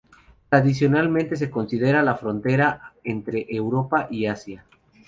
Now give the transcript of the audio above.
Tradicionalmente se considera la frontera entre Europa y Asia.